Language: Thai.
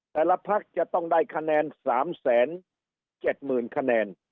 แต่ละพักจะต้องได้คะแนน๓๗๐๐๐คะแนน